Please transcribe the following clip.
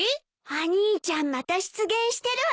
お兄ちゃんまた失言してるわよ。